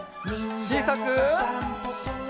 ちいさく。